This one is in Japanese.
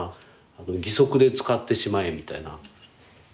義足で使ってしまえみたいな。